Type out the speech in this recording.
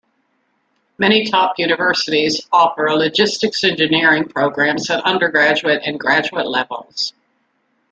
Many top universities offer Logistics Engineering programs at undergraduate and graduate levels.